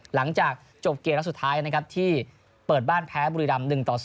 หลังจากจบเกมแล้วสุดท้ายนะครับที่เปิดบ้านแพ้บุรีรำ๑ต่อ๐